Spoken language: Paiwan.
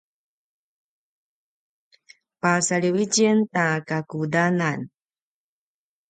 pasaliw i tjen ta kakudanan